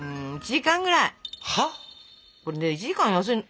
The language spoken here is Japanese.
１時間ぐらい。